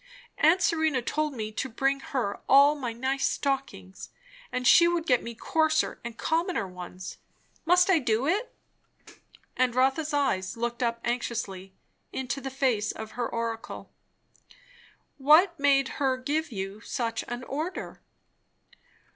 Aunt Serena told me to bring her all my nice stockings, and she would get me coarser and commoner ones. Must I do it?" And Rotha's eyes looked up anxiously into the lace of her oracle. "What made her give you such an order?"